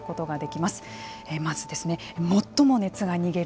まずですね、最も熱が逃げる